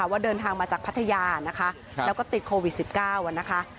ว่าเดินทางมาจากพัทยานะคะแล้วก็ติดโควิด๑๙นะคะ